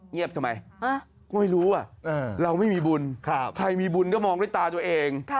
เงียบทำไมก็ไม่รู้เราไม่มีบุญใครมีบุญก็มองด้วยตาตัวเอง